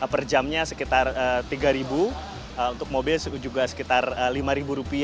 per jamnya sekitar rp tiga untuk mobil juga sekitar rp lima